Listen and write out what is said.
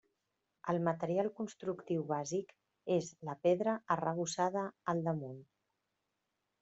El material constructiu bàsic és la pedra arrebossada al damunt.